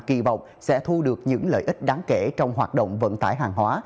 kỳ vọng sẽ thu được những lợi ích đáng kể trong hoạt động vận tải hàng hóa